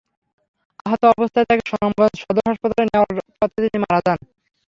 আহত অবস্থায় তাঁকে সুনামগঞ্জ সদর হাসপাতালে নেওয়ার পথে তিনি মারা যান।